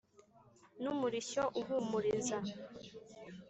N' umurishyo uhumuriza,